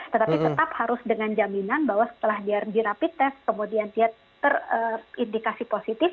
tetapi tetap harus dengan jaminan bahwa setelah dirapid test kemudian dia terindikasi positif